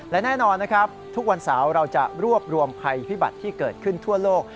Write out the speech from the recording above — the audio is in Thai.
และแน่นอนนะครับทุกวันเสาร์เราจะรวบรวมภัยพิบัติที่เกิดขึ้นทั่วโลก